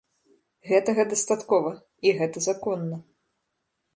Гэтага дастаткова, і гэта законна.